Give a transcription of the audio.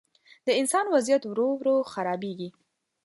د انسان وضعیت ورو، ورو خرابېږي.